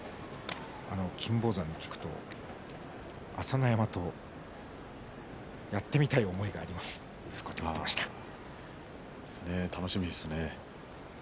金峰山に聞くと朝乃山とやってみたいという楽しみですね。